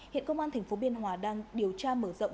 hiện công an tp biên hòa đang điều tra mở rộng